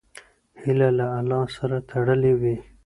هیله له الله سره تړلې وي.